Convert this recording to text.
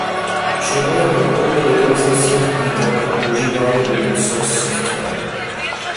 Členové podporují legalizaci lehkých drog a používání open source software.